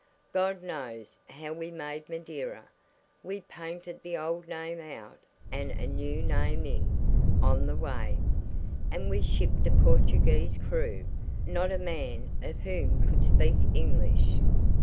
God knows how we made Madeira; we painted the old name out and a new name in, on the way; and we shipped a Portuguese crew, not a man of whom could speak English.